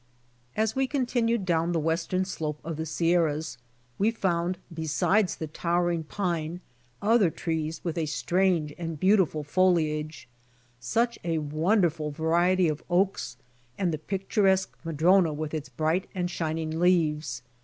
As we continued down the western slope of the Sierras we found besides the towering pine other trees with a strange and beautiful foliage; such a won derful variety of oaks and the picturesque madrona with its bright and shining leaves.